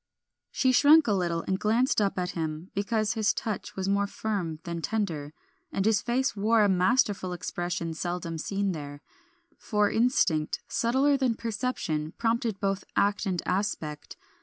She shrunk a little and glanced up at him, because his touch was more firm than tender, and his face wore a masterful expression seldom seen there; for instinct, subtler than perception, prompted both act and aspect.